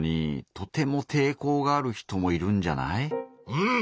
うん。